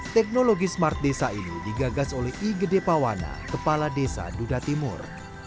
teknologi smart desa ini digagas oleh i gede pawana kepala desa dudatimur